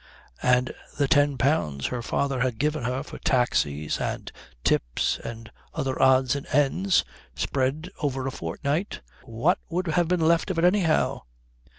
And the ten pounds her father had given her for taxis and tips and other odds and ends, spread over a fortnight what would have been left of it anyhow?